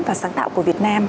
và sáng tạo của việt nam